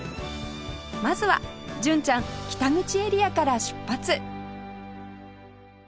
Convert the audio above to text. まずは純ちゃん北口エリアから出発